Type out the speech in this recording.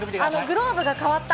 グローブが変わった？